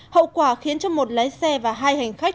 hậu quả khiến cho một lái xe và hai hành khách